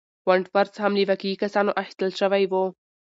وُنت وُرث هم له واقعي کسانو اخیستل شوی و.